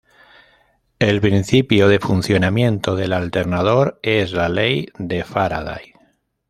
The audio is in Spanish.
El principio de funcionamiento del alternador es la Ley de Faraday.